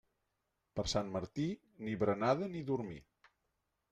Per Sant Martí, ni berenada ni dormir.